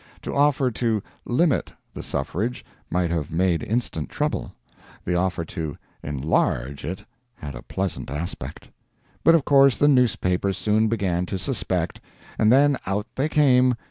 To offer to "limit" the suffrage might have made instant trouble; the offer to "enlarge" it had a pleasant aspect. But of course the newspapers soon began to suspect; and then out they came!